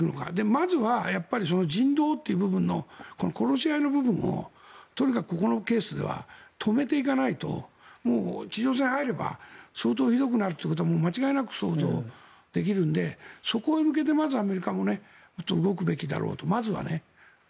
まずは人道という部分のこの殺し合いの部分をとにかくここのケースでは止めていかないと地上戦に入れば相当ひどくなることは間違いなく想像できるのでそこへ向けて、まずアメリカも動くべきだろうとまずはね。